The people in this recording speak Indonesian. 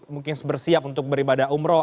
mungkin bersiap untuk beribadah umroh